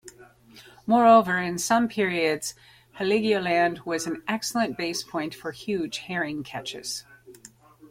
Moreover, in some periods Heligoland was an excellent base point for huge herring catches.